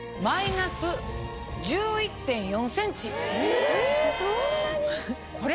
えそんなに！